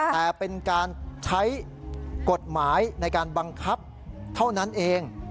แต่เป็นการใช้กฎหมายในการบังคับเท่านั้นเอง